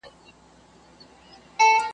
چي کرۍ ورځ یې په سرو اوښکو تیریږي .